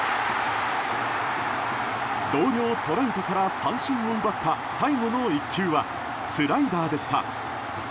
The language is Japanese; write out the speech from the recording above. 同僚トラウトから三振を奪った最後の１球はスライダーでした。